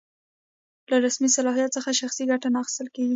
له رسمي صلاحیت څخه شخصي ګټه نه اخیستل.